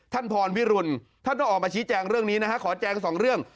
พรวิรุณท่านต้องออกมาชี้แจงเรื่องนี้นะฮะขอแจงสองเรื่อง